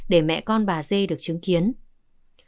để mẹ con bà dê tăng lễ cho bố